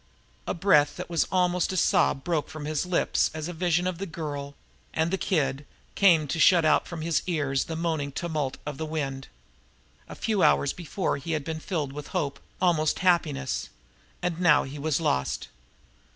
A breath that was almost a sob broke from his lips as a vision of the Girl and the Kid came to shut out from his ears the moaning tumult of the wind. A few hours before he had been filled with hope almost happiness, and now he was lost.